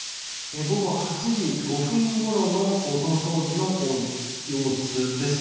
午後８時５分ごろのその当時の様子です。